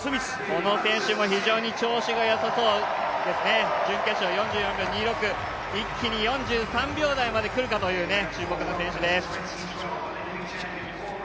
この選手も非常に調子がよさそうですね、準決勝、４４秒２６、一気に４３秒台までくるかという注目の選手です。